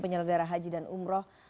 penyelenggara haji dan umroh